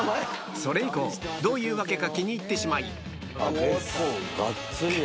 それ以降どういうわけか気に入ってしまい結構がっつりやな。